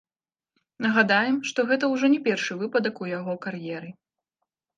Нагадаем, што гэта ўжо не першы выпадак у яго кар'еры.